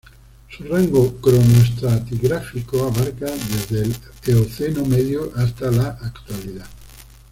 Su rango cronoestratigráfico abarca desde el Eoceno medio hasta la Actualidad.